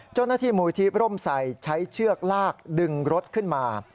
เจ้าหน้าที่มูลที่ร่มใส่ใช้เชือกลากดึงรถขึ้นมา